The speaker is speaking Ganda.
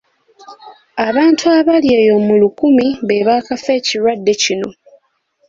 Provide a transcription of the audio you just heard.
Abantu abali eyo mu lukumi be baakafa ekirwadde kino.